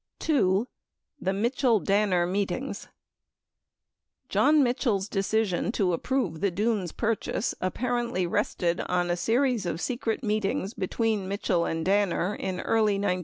23 2. THE MITCHELL DANNER MEETINGS John Mitchell's decision to approve the Dunes purchase apparently rested on a series of secret meetings between Mitchell and Danner in early 1970.